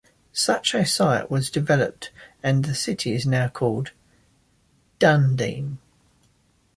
Such a site was developed and the city is now called Dunedin.